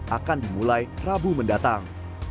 akan dimulai rabu mendatang